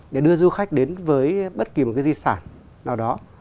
để đưa du khách đến với bất kỳ một cái di sản nào đó